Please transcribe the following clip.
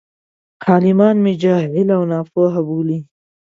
عالمان مې جاهل او ناپوه بولي.